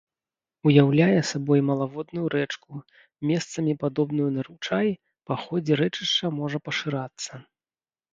Уяўляе сабой малаводную рэчку, месцамі падобную на ручай, па ходзе рэчышча можа пашырацца.